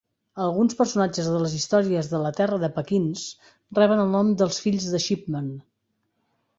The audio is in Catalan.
Alguns personatges de les històries de "La terra de Pakkins" reben el nom dels fills de Shipman.